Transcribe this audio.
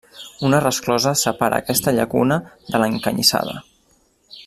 Una resclosa separa aquesta llacuna de l’Encanyissada.